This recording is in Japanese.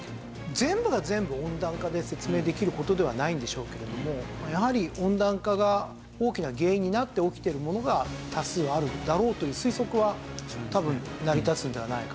全部が全部温暖化で説明できる事ではないんでしょうけれどもやはり温暖化が大きな原因になって起きてるものが多数あるだろうという推測は多分成り立つんではないかと。